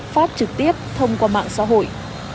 phát trực tiếp thông qua mạng xã hội